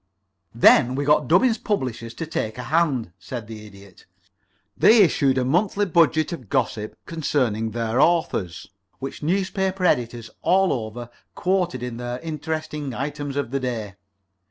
"Then we got Dubbins's publishers to take a hand," said the Idiot. "They issued a monthly budget of gossip concerning their authors, which newspaper editors all over quoted in their interesting items of the day.